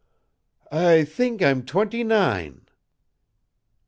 "I think I'm twenty nine."